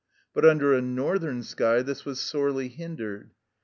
But under a northern sky this was sorely hindered.